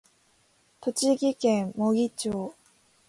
栃木県茂木町